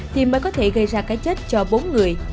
thì mới có thể gây ra cái chết cho bốn người